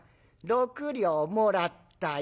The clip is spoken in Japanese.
６両もらったよ。